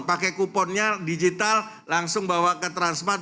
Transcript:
pakai kuponnya digital langsung bawa ke transmart